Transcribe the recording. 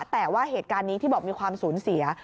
แต่ว่าเหตุการณ์นี้ที่บอกมีความสูญเสีย